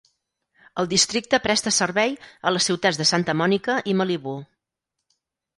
El districte presta servei a les ciutats de Santa Monica i Malibu.